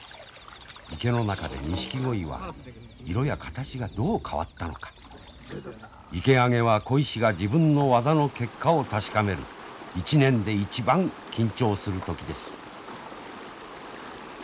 池の中でニシキゴイは色や形がどう変わったのか池上げは鯉師が自分の技の結果を確かめる一年で一番緊張する時です。